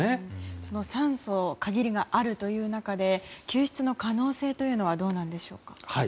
その酸素に限りがあるという中で救出の可能性はどうなんでしょうか？